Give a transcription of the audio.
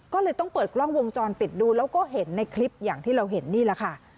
ก็เลยต้องเปิดกล้องวงจรปิดดูแล้วก็เห็นในคลิปอย่างที่เราเห็นนี่แหละค่ะ